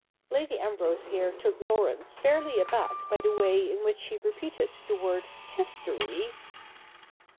Lady Ambrose here took Laurence fairly aback by the way in which she repeated the word ' History